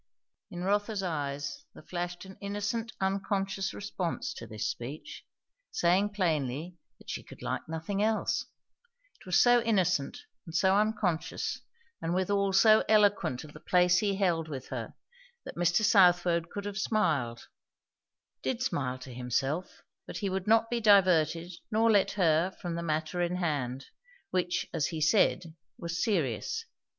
In Rotha's eyes there flashed an innocent unconscious response to this speech, saying plainly that she could like nothing else! It was so innocent and so unconscious, and withal so eloquent of the place he held with her, that Mr. Southwode could have smiled; did smile to himself; but he would not be diverted, nor let her, from the matter in hand; which, as he said, was serious.